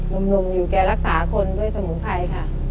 หนุ่มอยู่แกรักษาคนด้วยสมุนไพรค่ะ